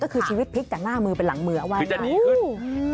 ก็คือชีวิตพลิกจากหน้ามือเป็นหลังมือว่าจะดีขึ้น